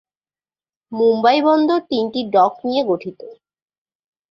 মুম্বাই বন্দর তিনটি ডক নিয়ে গঠিত।